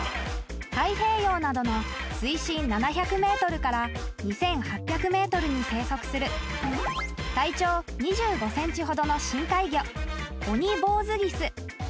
［太平洋などの水深７００ｍから２，８００ｍに生息する体長２５ｃｍほどの深海魚］